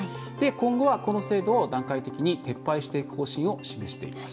今後は、この制度を段階的に撤廃していく方針を示しています。